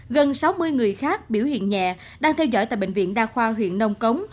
gần sáu mươi người khác biểu hiện nhẹ đang theo dõi tại bệnh viện đa khoa huyện nông cống